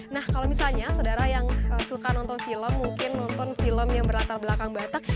nah kalau misalnya saudara yang suka nonton film mungkin nonton film yang berlatar belakang batak